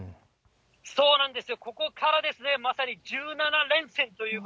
そうなんです。